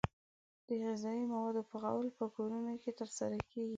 د غذايي موادو پخول په کورونو کې ترسره کیږي.